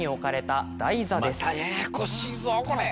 またややこしいぞこれ。